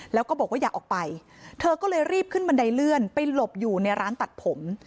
แล้วก็บอกว่าอย่าออกไปเธอก็เลยรีบขึ้นบันไดเลื่อนไปหลบอยู่ในร้านตัดผม